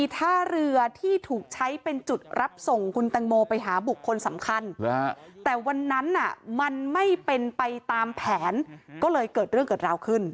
แต่วันนั้นมันไม่เป็นไปตามแผนก็เลยเกิดเรื่องเกิดราวขึ้น